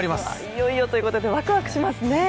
いよいよということでわくわくしますね！